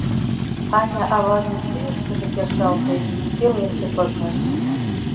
— Аня аважын шӱйышкыжӧ кержалте, пеленже пызныш.